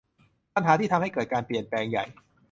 ปัญหาที่ทำให้เกิดการเปลี่ยนแปลงใหญ่